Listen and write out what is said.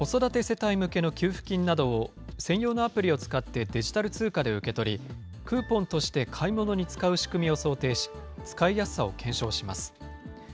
子育て世帯向けの給付金などを専用のアプリを使ってデジタル通貨で受け取り、クーポンとして買い物に使う仕組みを想定し、使いやすさを検証します。